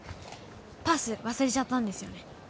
パス忘れちゃったんですよね？